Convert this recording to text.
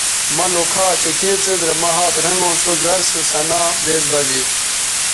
مہ لوکھا چہء کیں څیز رے ھات رھنگوں سو زر سو سنداں بیز بہ زے